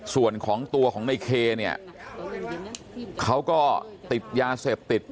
ส่วนของตัวของในเคเนี่ยเขาก็ติดยาเสพติด